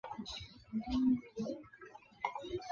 多斑杜鹃为杜鹃花科杜鹃属下的一个种。